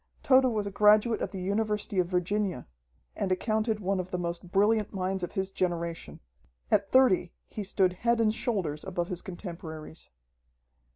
Tode was a graduate of the University of Virginia, and accounted one of the most brilliant minds of his generation. At thirty, he stood head and shoulders above his contemporaries.